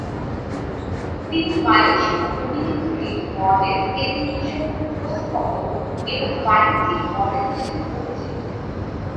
তিনি মালয়েশিয়ান অভিনেত্রী, model, television উপস্থাপক এবং বাণিজ্যিক মডেল হিসেবে পরিচিত।